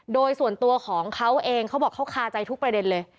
โดยส่วนตัวของเขาเองเขาบอกเขาคาใจทุกประเด็นเลย